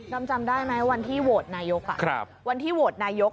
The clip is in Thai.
จำได้ไหมวันที่โหวตนายกวันที่โหวตนายก